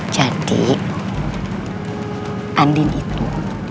jadi andin itu